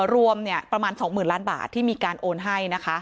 รวมเนี่ยประมาณ๒๐๐๐๐๐๐๐บาทที่มีการโอนให้นะคะ